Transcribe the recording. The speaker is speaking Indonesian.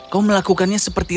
kau melakukannya seperti